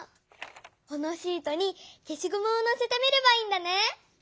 このシートにけしごむをのせてみればいいんだね。